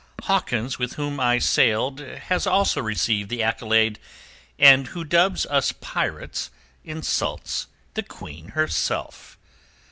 Hawkins with whom I sailed has also received the accolade, and who dubs us pirates insults the Queen herself.